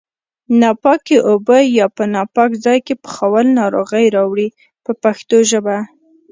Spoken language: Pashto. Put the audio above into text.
ناپاکې اوبه یا په ناپاک ځای کې پخول ناروغۍ راوړي په پښتو ژبه.